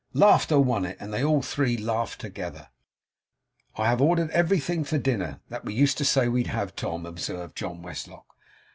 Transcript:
Laughter won it; and they all three laughed together. 'I have ordered everything for dinner, that we used to say we'd have, Tom,' observed John Westlock.